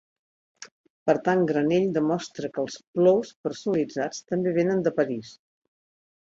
Per tant Granell demostra que els “plous” personalitzats també venen de París.